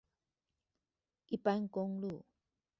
一般公路